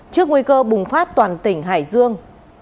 trước nguy cơ bùng phát toàn tỉnh hải dương